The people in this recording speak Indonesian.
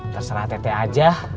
terserah teteh aja